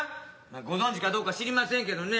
ご存じかどうか知りませんけどね